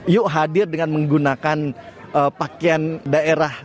yuk hadir dengan menggunakan pakaian daerah